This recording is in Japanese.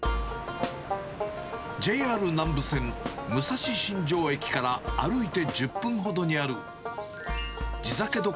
ＪＲ南武線武蔵新城駅から歩いて１０分ほどにある、地酒処